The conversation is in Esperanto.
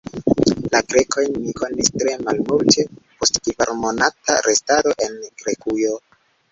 La Grekojn mi konis tre malmulte post kvarmonata restado en Grekujo.